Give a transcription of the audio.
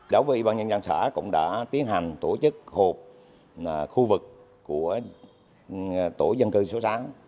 đối với ủy ban nhân dân xã cũng đã tiến hành tổ chức hộp khu vực của tổ dân cư số sáu